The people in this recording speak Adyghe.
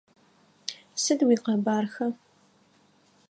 Сыд уикъэбархэ?